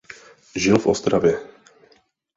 Žil v Ostravě.